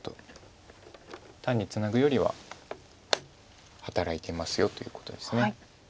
「単にツナぐよりは働いてますよ」ということです。